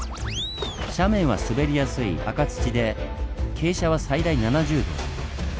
斜面は滑りやすい赤土で傾斜は最大７０度。